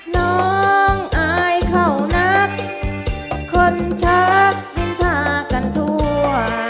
น้องอายเขานักคนชักพากันทั่ว